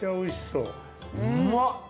うまっ！